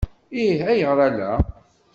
Ih, ayɣer ala?